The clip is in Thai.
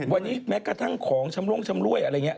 วันนี้แม้กระทั่งของชำรุ่งชำรวยอะไรอย่างนี้